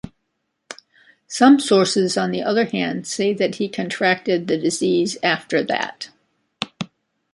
Some sources on the other hand say that he contracted the disease after that.